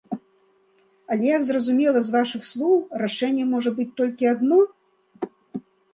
Але як зразумела з вашых слоў, рашэнне можа быць толькі адно?